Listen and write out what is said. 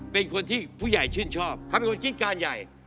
เป็นคนที่ผู้ใหญ่ชื่นชอบเขาเป็นคนจิ้นการใหญ่